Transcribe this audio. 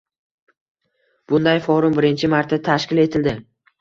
Bunday forum birinchi marta tashkil etildi